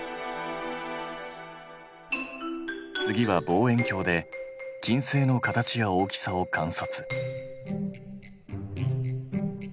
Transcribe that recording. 次は望遠鏡で金星の形や大きさを観察。